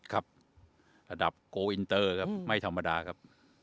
ครับระดับโกอินเตอร์ครับไม่ธรรมดาครับ